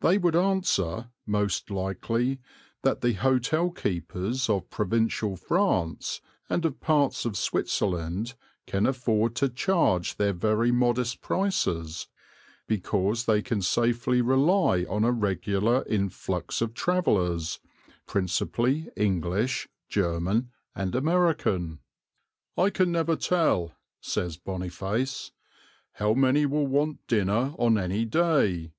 They would answer, most likely, that the hotel keepers of provincial France and of parts of Switzerland can afford to charge their very modest prices because they can safely rely on a regular influx of travellers, principally English, German, and American. "I can never tell," says Boniface, "how many will want dinner on any day.